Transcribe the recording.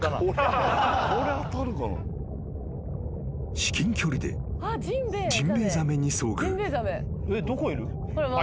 ［至近距離でジンベエザメに遭遇］